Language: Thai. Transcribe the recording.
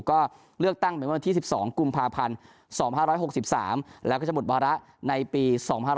ก็เลือกตั้งเป็นวันที่๑๒กุมภาพันธ์๒๕๖๓แล้วก็จะหมดวาระในปี๒๕๖๒